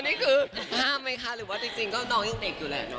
นี่คือห้ามไหมคะหรือว่าจริงก็น้องยังเด็กอยู่แหละเนอ